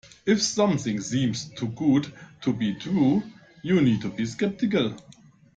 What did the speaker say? If something seems too good to be true, you need to be sceptical.